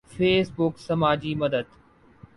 face بک سماجی مدد